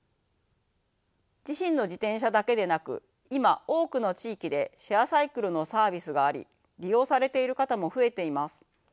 自身の自転車だけでなく今多くの地域でシェアサイクルのサービスがあり利用されている方も増えています。